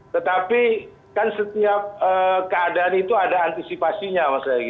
tetapi kan setiap keadaan itu ada antisipasinya